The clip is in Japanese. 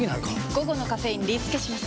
午後のカフェインリスケします！